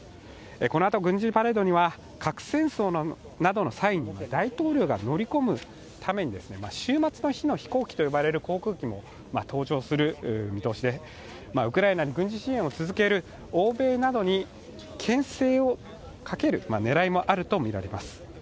このあと軍事パレードには核戦争などの際に大統領が乗り込むために終末の日の飛行機と呼ばれる航空機も登場する見通しで、ウクライナに軍事支援を続ける欧米などにけん制をかける狙いもあるとみられます。